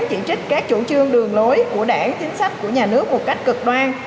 chỉ trích các chủ trương đường lối của đảng chính sách của nhà nước một cách cực đoan